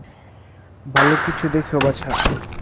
ভালো কিছু দেখিও, বাছা।